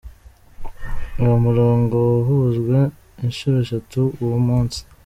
Uwo murongo wahujwe inshuro eshatu uwo munsi.